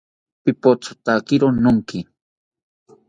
Pipothotakiri nonki